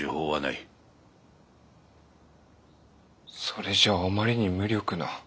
それじゃあまりに無力な。